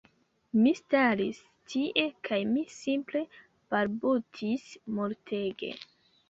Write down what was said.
Mi staris tie kaj mi simple balbutis multege